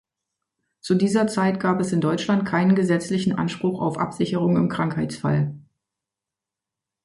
Zu dieser Zeit gab es in Deutschland keinen gesetzlichen Anspruch auf Absicherung im Krankheitsfall.